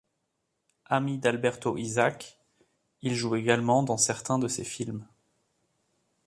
Ami d'Alberto Isaac, il joue également dans certains de ses films.